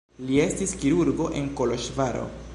Li estis kirurgo en Koloĵvaro.